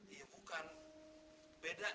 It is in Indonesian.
iya bukan beda deh